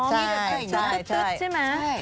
ตุ๊ดใช่มั้ย